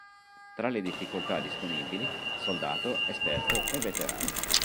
Tre le difficoltà disponibili: soldato, esperto e veterano.